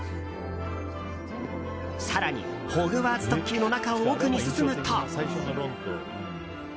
更に、ホグワーツ特急の中を奥に進むと。